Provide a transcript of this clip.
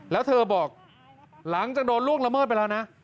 แล้วเธอบอกหลังจากโดนล่วงละเมิดไปแล้วนะ